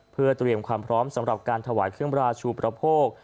เพื่อเตรียมความพร้อมสำหรับการถวายเครื่องราชูประโภค